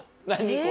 これ。